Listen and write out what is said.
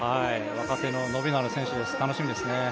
若手の伸びがある選手です、楽しみです。